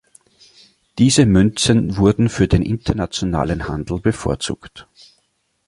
Diese Münzen wurden für den internationalen Handel bevorzugt.